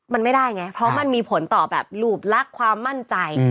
มันไม่ได้ไงเพราะมันมีผลต่อแบบรูปลักษณ์ความมั่นใจ